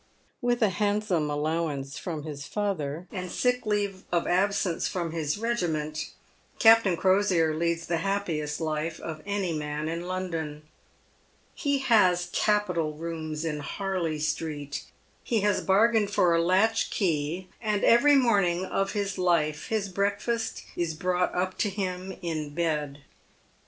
"With a handsome allowance from his father, and sick leave of absence from his regiment, Captain Crosier leads the happiest life of any man in London. He has capital rooms in Harley street. He has bargained for a latch key, and every morning of his life his break fast is brought up to him in bed.